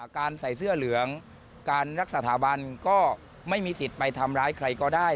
การใส่เสื้อเหลืองการรักษาสถาบันก็ไม่มีสิทธิ์ไปทำร้ายใครก็ได้